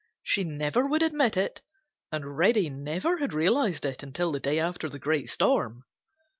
She never would admit it, and Reddy never had realized it until the day after the great storm.